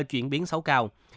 tiến xấu cao